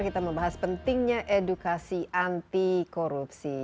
kita membahas pentingnya edukasi anti korupsi